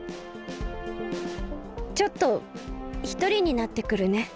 ちょっとひとりになってくるね。